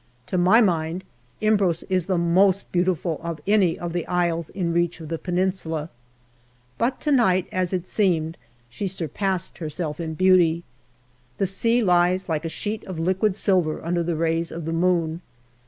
To my mind, Imbros is the most beautiful of any of the isles in reach of the Peninsula. But to night, as it seemed, she surpassed herself in beauty. The sea lies like a sheet of liquid silver under the rays of the moon.